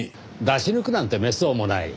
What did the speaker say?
出し抜くなんてめっそうもない。